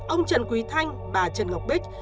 ông trần quý thanh bà trần ngọc bích